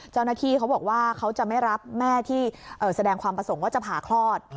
เจ้าหน้าที่เขาบอกว่าเขาจะไม่รับแม่ที่แสดงความประสงค์ว่าจะผ่าคลอด